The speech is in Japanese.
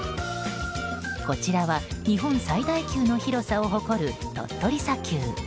こちらは、日本最大級の広さを誇る鳥取砂丘。